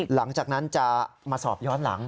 หลังจากนั้นจะมาสอบย้อนหลัง